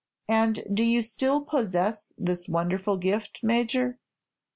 "And do you still possess this wonderful gift, Major?"